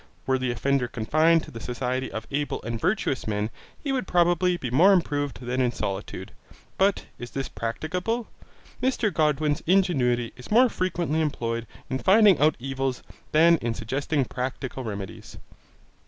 Were the offender confined to the society of able and virtuous men he would probably be more improved than in solitude. But is this practicable? Mr Godwin's ingenuity is more frequently employed in finding out evils than in suggesting practical remedies.